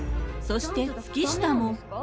そして月下も。